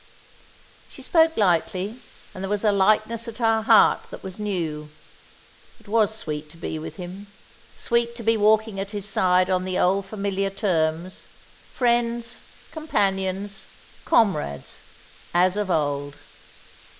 She spoke lightly, and there was a lightness at her heart that was new. It was sweet to be with him sweet to be walking at his side on the old familiar terms, friends, companions, comrades, as of old.